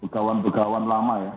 begawan begawan lama ya